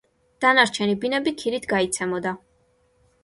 დანარჩენი ბინები ქირით გაიცემოდა.